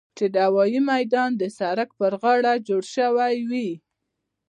چې د هوايي ميدان د سړک پر غاړه جوړ سوي وو.